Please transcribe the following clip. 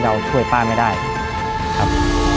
เราจะไม่ยอมให้หลานเราอด